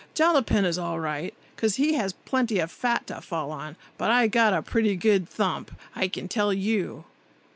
"Jollapin is all right, 'cause he has plenty of fat to fall on, but I got a pretty good thump, I can tell you."